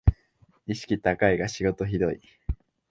意識高いが仕事ひどい